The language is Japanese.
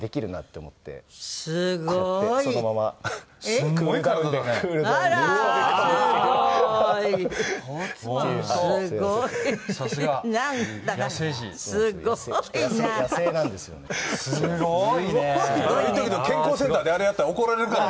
言っとくけど健康センターであれやったら怒られるからな。